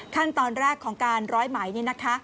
ขั้นตอนแรกของการร้อยไหมนี่นะคะ